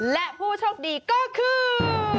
และผู้โชคดีก็คือ